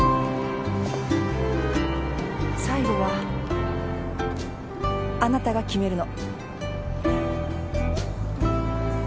最後はあなたが決めるの。